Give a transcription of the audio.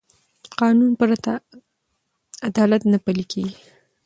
قانون پرته عدالت نه پلي کېږي